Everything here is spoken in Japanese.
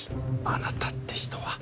あなたって人は。